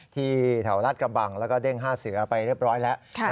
แถวราชกระบังแล้วก็เด้ง๕เสือไปเรียบร้อยแล้ว